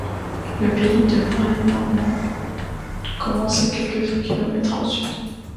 Le pays de Bray normand commence à quelques kilomètres au sud.